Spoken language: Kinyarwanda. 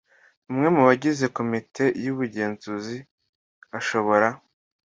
Umwe mu bagize Komite y Ubugenzuzi ashobora